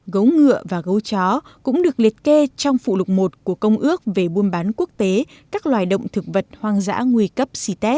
gấu ngựa và gấu chó cũng được liệt kê trong phụ lục một của công ước về buôn bán quốc tế các loài động thực vật hoang dã nguy cấp ct